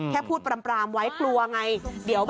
แค่พูดปรามไว้กลัวไง